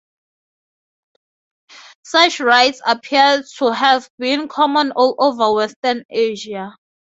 Such rites appear to have been common all over Western Asia.